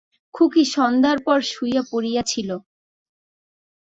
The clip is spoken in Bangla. খুকী সন্ধ্যার পর শুইয়া পড়িয়াছিল।